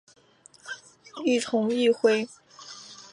病童亦会出现发大性心脏肌肉病变。